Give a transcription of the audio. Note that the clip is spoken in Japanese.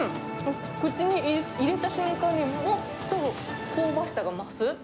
口に入れた瞬間に、もっと香ばしさが増す。